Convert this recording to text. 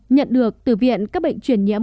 nhận được từ viện các bệnh truyền nhiễm